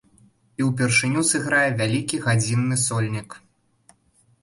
І ўпершыню сыграе вялікі гадзінны сольнік.